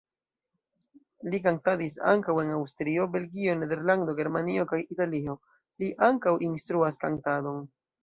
Li kantadis ankaŭ en Aŭstrio, Belgio, Nederlando, Germanio kaj Italio, li ankaŭ instruas kantadon.